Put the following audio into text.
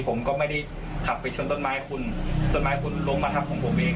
ผมก็ไม่ได้ขับไปชนต้นไม้คุณต้นไม้คุณล้มมาทับของผมเอง